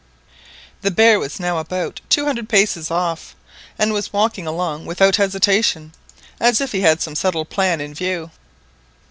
The bear was now about two hundred paces off, and was walking along without hesitation, as if he had some settled plan in view.